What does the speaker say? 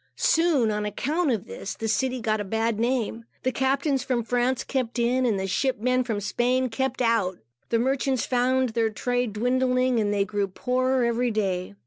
Soon, on account of this, the city got a bad name. The captains from France kept in, and the ship men from Spain kept out. The merchants found their trade dwindling, and they grew poorer every day.